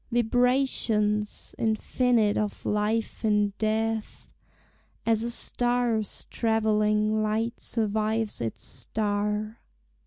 Vibrations infinite of life in death, As a star's travelling light survives its star!